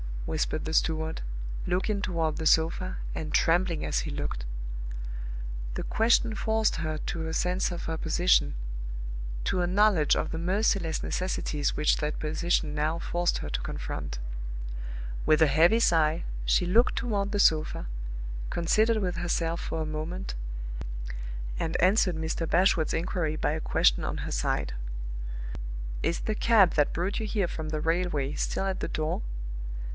whispered the steward, looking toward the sofa, and trembling as he looked. The question forced her to a sense of her position to a knowledge of the merciless necessities which that position now forced her to confront. With a heavy sigh she looked toward the sofa, considered with herself for a moment, and answered Mr. Bashwood's inquiry by a question on her side. "Is the cab that brought you here from the railway still at the door?"